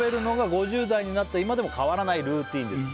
「５０代になった今でも変わらないルーティンです」